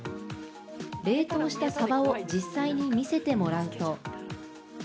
冷凍したサバを実際に見せてもらうと。